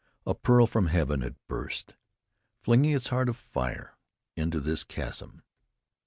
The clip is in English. A pearl from heaven had burst, flinging its heart of fire into this chasm.